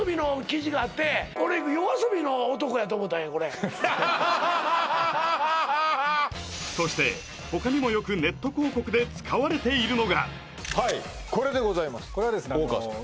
そうかそして他にもよくネット広告で使われているのがはいこれでございます大川さん